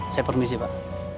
saya permisi pak